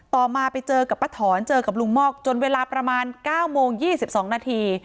มาไปเจอกับป้าถอนเจอกับลุงมอกจนเวลาประมาณ๙โมง๒๒นาที